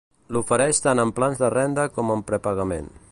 L'ofereix tant en Plans de Renda com en Prepagament.